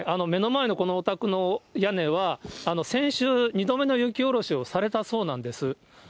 目の前のこのお宅の屋根は先週２度目の雪下ろしをされたそうなんです。